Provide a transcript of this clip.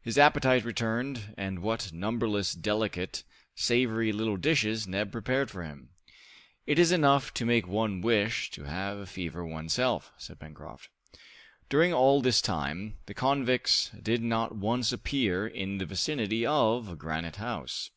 His appetite returned, and what numberless delicate, savory little dishes Neb prepared for him! "It is enough to make one wish to have a fever oneself!" said Pencroft. During all this time, the convicts did not once appear in the vicinity of Granite House.